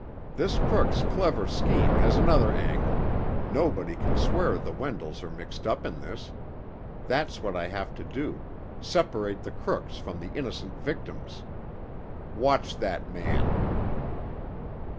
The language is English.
This crook's clever scheme has another angle—nobody can swear the Wendells are mixed up in this. That's what I have to do—separate the crooks from the innocent victims. Watch that man!"